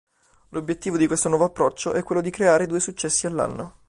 L'obiettivo di questo nuovo approccio è quello di creare due successi all'anno.